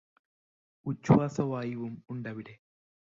ഉച്ഛ്വാസവായുവും ഉണ്ടവിടെ